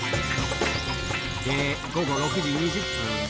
で、午後６時２０分。